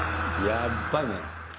やっばいね。